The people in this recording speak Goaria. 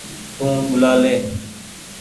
تو ٻوُلآ لي ۔